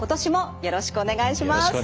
よろしくお願いします。